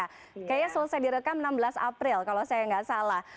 kayaknya selesai direkam enam belas april kalau saya nggak salah